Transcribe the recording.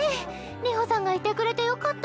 流星さんがいてくれてよかった。